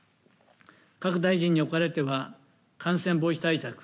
各大臣におかれては感染防止対策